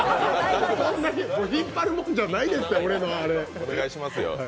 そんなに引っ張るもんじゃないですから俺のあれ。